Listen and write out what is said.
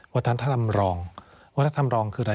วัฒนธรรมรองวัฒนธรรมรองคืออะไร